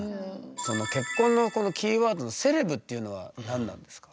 「結婚」のキーワードの「セレブ」っていうのは何なんですか？